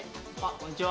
こんにちは。